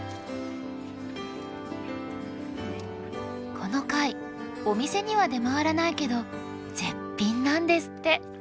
この貝お店には出回らないけど絶品なんですって。